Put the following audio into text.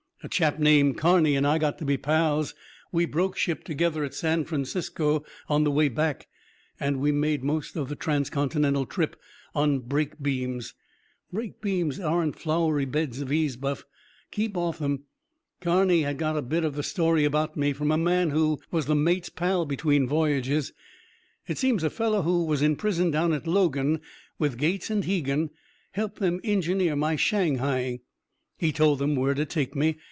"A chap named Carney and I got to be pals. We broke ship together at San Francisco on the way back. And we made most of the transcontinental trip on brake beams. Brake beams aren't flowery beds of ease, Buff. Keep off them. Carney had got a bit of the story about me, from a man who was the mate's pal between voyages. It seems a fellow who was in prison down at Logan with Gates and Hegan helped them engineer my shanghaiing. He told them where to take me.